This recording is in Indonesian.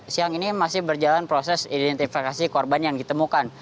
siang ini masih berjalan proses identifikasi korban yang ditemukan